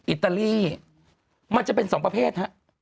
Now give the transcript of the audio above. อิตาลีมันจะเป็น๒ประเภทฮะ